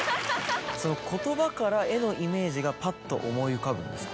その言葉から絵のイメージがパッと思い浮かぶんですか？